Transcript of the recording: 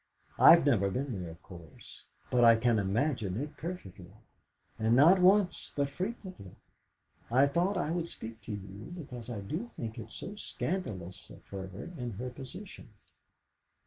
I've never been there, of course; but I can imagine it perfectly. And not once, but frequently. I thought I would speak to you, because I do think it's so scandalous of her in her position."